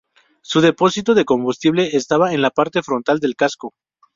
Su depósito de combustible estaba en la parte frontal del casco.